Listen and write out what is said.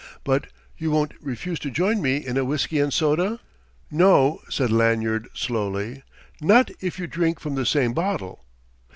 But you won't refuse to join me in a whiskey and soda?" "No," said Lanyard slowly "not if you drink from the same bottle."